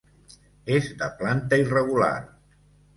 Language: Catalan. És de planta irregular.